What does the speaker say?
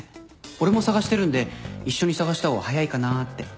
俺も捜してるんで一緒に捜した方が早いかなって。